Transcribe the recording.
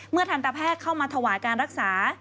ทันตแพทย์เข้ามาถวายการรักษา